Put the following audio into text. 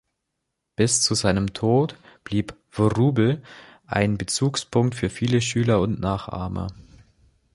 Bis zu seinem Tod blieb Wrubel ein Bezugspunkt für viele Schüler und Nachahmer.